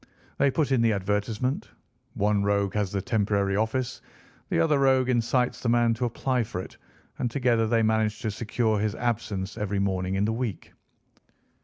They put in the advertisement, one rogue has the temporary office, the other rogue incites the man to apply for it, and together they manage to secure his absence every morning in the week.